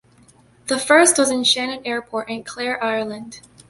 The first was in Shannon Airport in Clare, Ireland.